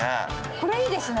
これいいですね。